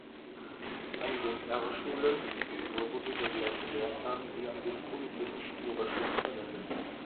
An den R-Schulen wurde der gleiche Lehrplan wie an den Polytechnischen Oberschulen verwendet.